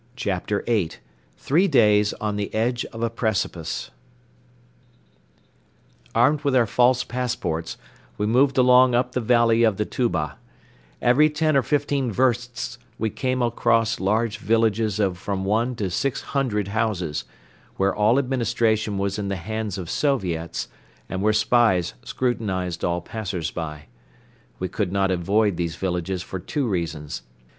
CHAPTER VIII THREE DAYS ON THE EDGE OF A PRECIPICE Armed with our false passports, we moved along up the valley of the Tuba. Every ten or fifteen versts we came across large villages of from one to six hundred houses, where all administration was in the hands of Soviets and where spies scrutinized all passers by. We could not avoid these villages for two reasons.